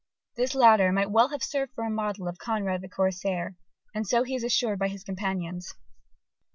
This latter might well have served for a model of Conrad the Corsair: and so he is assured by his companions.